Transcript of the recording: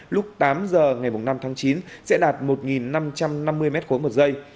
lúc tám giờ ngày năm tháng chín sẽ đạt một năm trăm năm mươi m ba một giây